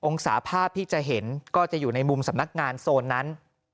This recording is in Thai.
ศาภาพที่จะเห็นก็จะอยู่ในมุมสำนักงานโซนนั้น